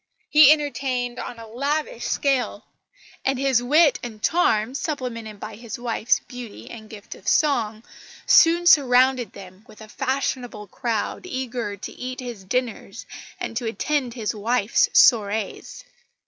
He entertained on a lavish scale; and his wit and charm, supplemented by his wife's beauty and gift of song, soon surrounded them with a fashionable crowd eager to eat his dinners and to attend his wife's soirées.